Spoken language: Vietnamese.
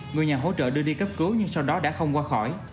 người nhà hỗ trợ đưa đi cấp cứu nhưng sau đó đã không qua khỏi